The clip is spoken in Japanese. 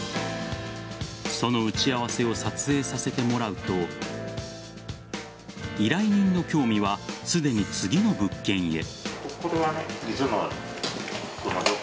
その打ち合わせを撮影させてもらうと依頼人の興味はすでに次の物件へ。